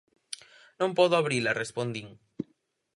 _Non podo abrila _respondín_.